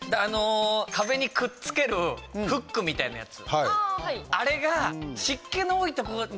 壁にくっつけるフックみたいなやつ。